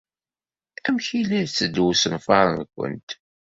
Amek ay la yetteddu usenfar-nwent?